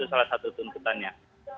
itu salah satu tuntutannya